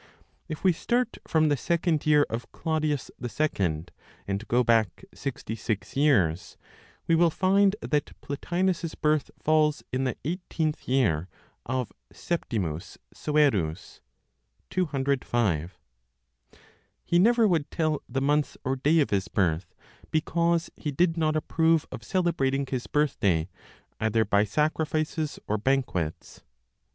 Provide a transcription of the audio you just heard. If we start from the second year of Claudius II and go back 66 years, we will find that Plotinos's birth falls in the 18th year of Septimus Severus (205). He never would tell the month or day of his birth, because he did not approve of celebrating his birth day either by sacrifices, or banquets.